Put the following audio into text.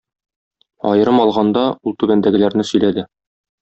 Аерым алганда, ул түбәндәгеләрне сөйләде